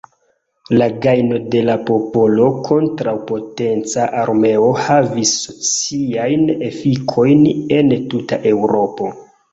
La gajno de la popolo kontraŭ potenca armeo havis sociajn efikojn en tuta Eŭropo.